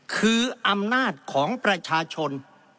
คืออำนาจของประชาชน